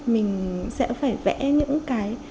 mình sẽ phải vẽ những cái